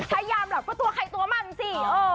ถ้ายามหลับก็ตัวใครตัวมันสิ